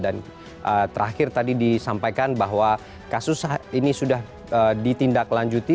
dan terakhir tadi disampaikan bahwa kasus ini sudah ditindaklanjuti